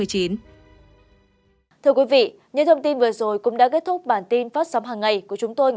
cảm ơn các bạn đã theo dõi